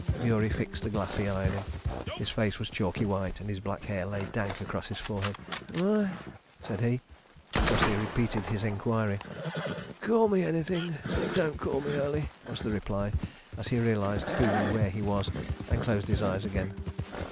Murie fixed a glassy eye on him. His face was chalky white and his black hair lay dank across his forehead. "Eh?" said he. Gussie repeated his enquiry. "Call me anything—but don't call me early," was the reply, as he realised who and where he was, and closed his eyes again.